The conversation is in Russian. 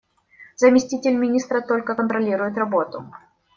Заместитель министра только контролирует работу.